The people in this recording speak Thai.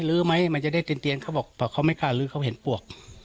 ลื้อไหมมันจะได้เตียนเขาบอกเพราะเขาไม่กล้าลื้อเขาเห็นปวก